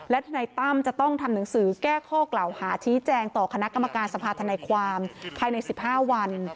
และทนายตั้มจะต้องทำหนังสือแก้ข้อกล่าวหาชี้แจงต่อคณะกรรมการสภาธนายความภายใน๑๕วัน